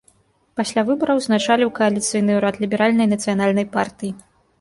Пасля выбараў узначаліў кааліцыйны ўрад ліберальнай і нацыянальнай партый.